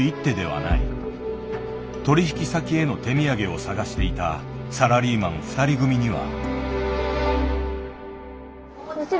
取引先への手土産を探していたサラリーマン２人組には。